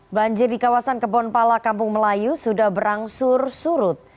banjir di kawasan kebonpala kampung melayu sudah berangsur surut